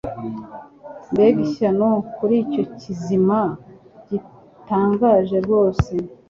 Mbega ishyano kuri icyo kizima gitangaje rwose!